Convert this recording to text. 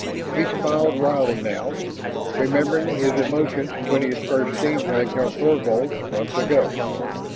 He smiled wryly now, remembering his emotions when he had first seen Ragnar Thorvald months ago.